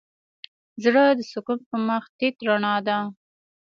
زړه د سکون په مخ تيت رڼا ده.